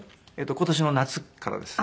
今年の夏からです。